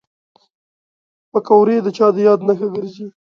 پکورې د چا د یاد نښه ګرځي